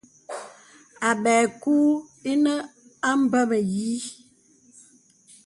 Àbɛ̄ɛ̄ kùù inə a mbè mə̀yīī.